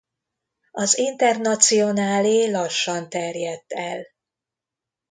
Az Internacionálé lassan terjedt el.